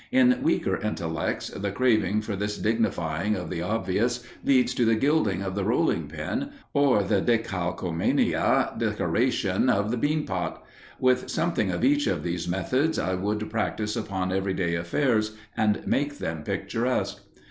In weaker intellects the craving for this dignifying of the obvious leads to the gilding of the rolling pin or the decalcomanie decoration of the bean pot. With something of each of these methods, I would practice upon every day affairs, and make them picturesque.